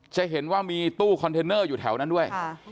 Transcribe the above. จะเห็นว่ามีตู้คอนเทนเนอร์อยู่แถวนั้นด้วย